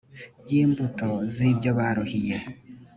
yh imbuto z ibyo baruhiye